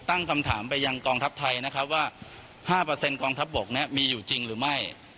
ตั้งคำถามไปยังกองทัพไทยนะครับว่า๕กองทัพบกเนี่ยมีอยู่จริงหรือไม่